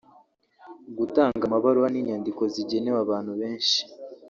gutanga amabaruwa n’inyandiko zigenewe abantu benshi